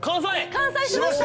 完済しました！